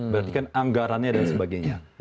berarti kan anggarannya dan sebagainya